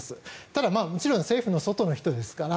ただ、もちろん政府の外の人ですから。